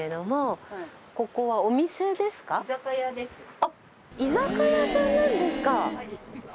あっ居酒屋さんなんですか。